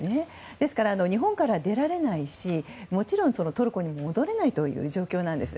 ですから、日本から出られないしもちろんトルコに戻れないという状況なんです。